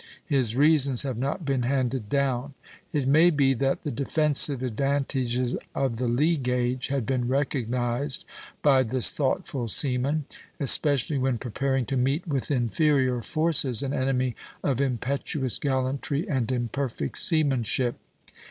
His reasons have not been handed down; it may be that the defensive advantages of the lee gage had been recognized by this thoughtful seaman, especially when preparing to meet, with inferior forces, an enemy of impetuous gallantry and imperfect seamanship.